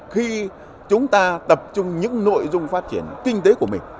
khi chúng ta tập trung những nội dung phát triển kinh tế của mình